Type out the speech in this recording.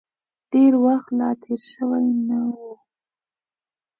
ډېر وخت لا تېر شوی نه و.